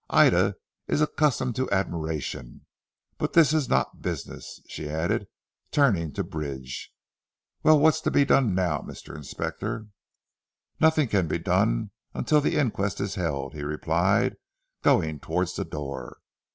"Ida is accustomed to admiration. But this is not business," she added turning to Bridge, "Well what's to be done now Mr. Inspector?" "Nothing can be done until the inquest is held," he replied going towards the door.